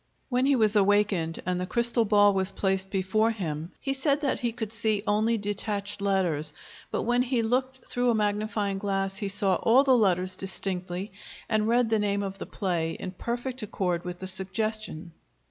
When he was awakened and the crystal ball was placed before him, he said that he could see only detached letters, but when he looked through a magnifying glass he saw all the letters distinctly and read the name of the play, in perfect accord with the suggestion.